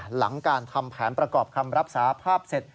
หลังการทำแผนประกอบคำรับสาภาพเสร็จ